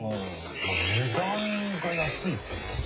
まぁ値段が安い方。